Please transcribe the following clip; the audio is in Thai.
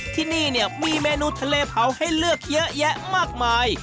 ที่นี่เนี่ยมีเมนูทะเลเผาให้เลือกเยอะแยะมากมาย